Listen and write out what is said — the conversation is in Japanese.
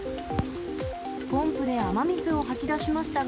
ポンプで雨水をかき出しましたが、